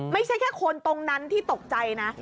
ไม่ใช่แค่คนตรงนั้นที่ตกใจนะ